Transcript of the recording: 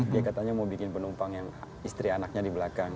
dia katanya mau bikin penumpang yang istri anaknya di belakang